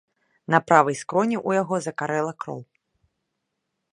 На правай скроні ў яго закарэла кроў.